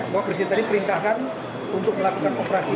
bahwa presiden tadi perintahkan untuk melakukan operasi